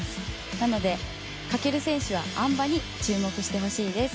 なので翔選手はあん馬に注目してほしいです。